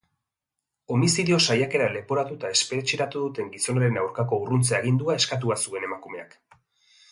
Homizidio saiakera leporatuta espetxeratu duten gizonaren aurkako urruntze agindua eskatua zuen emakumeak.